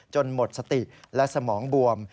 หมดสติและสมองบวม